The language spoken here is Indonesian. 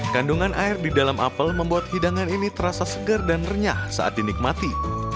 kandungan air di dalam apel membuat hidangan ini terasa segar dan renyah saat dinikmati